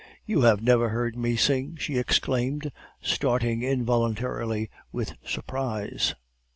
"'You have never heard me sing!' she exclaimed, starting involuntarily with surprise.